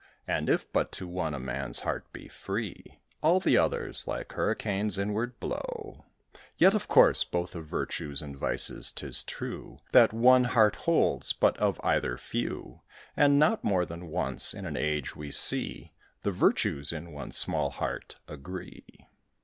And if but to one a man's heart be free, All the others, like hurricanes, inward blow. Yet, of course, both of virtues and vices 'tis true That one heart holds but of either few; And not more than once in an age we see The Virtues in one small heart agree.